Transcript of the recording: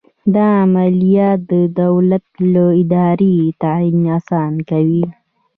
دا عملیه د دولت د دارایۍ تعین اسانه کوي.